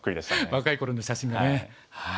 若い頃の写真がね。